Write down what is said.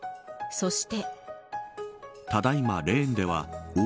そして。